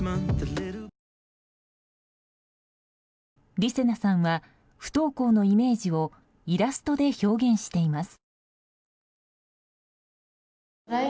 りせなさんは不登校のイメージをイラストで表現しています。